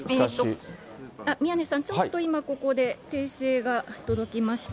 宮根さん、ちょっと今ここで訂正が届きました。